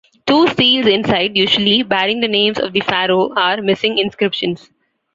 Two Steles inside, usually bearing the names of the pharaoh, are missing inscriptions.